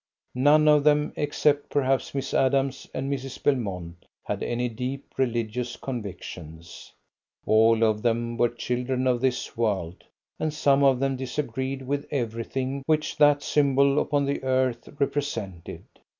None of them, except perhaps Miss Adams and Mrs. Belmont, had any deep religious convictions. All of them were children of this world, and some of them disagreed with everything which that symbol upon the earth represented.